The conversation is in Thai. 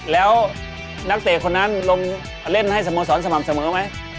แล้วนักเตะคนนั้นลงเล่นให้สโมสรสม่ำเสมอไหม